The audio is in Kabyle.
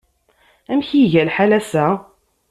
Amek iga lḥal ass-a?